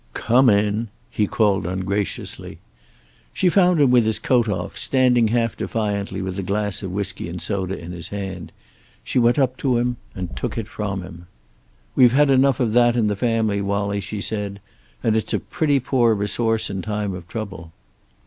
"Come in," he called ungraciously. She found him with his coat off, standing half defiantly with a glass of whisky and soda in his hand. She went up to him and took it from him. "We've had enough of that in the family, Wallie," she said. "And it's a pretty poor resource in time of trouble."